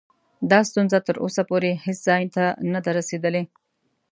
دا ستونزه تر اوسه پورې هیڅ ځای ته نه ده رسېدلې.